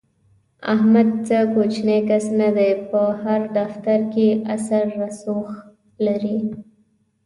احمد څه کوچنی کس نه دی، په هر دفتر کې اثر رسوخ لري.